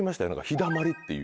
ひだまりっていう。